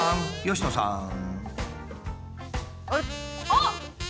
あっ！